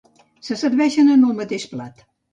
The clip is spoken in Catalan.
Se serveixen en el mateix plat.